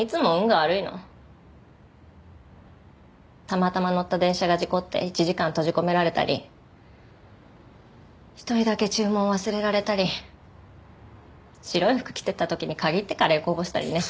たまたま乗った電車が事故って１時間閉じ込められたり１人だけ注文を忘れられたり白い服着てった時に限ってカレーこぼしたりね。